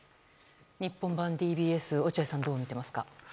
日本版ＤＢＳ、落合さんはどう見ていますか？